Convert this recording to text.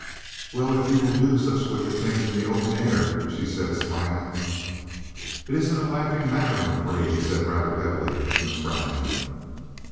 "Well, if you will do such wicked things in the open air " she said, smiling. "It isn't a laughing matter, I'm afraid," he said rather heavily, and frowning.